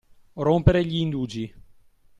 Rompere gli indugi.